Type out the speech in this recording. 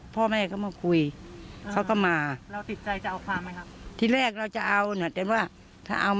พวกคุณอยากให้มาคุยกันเนอะ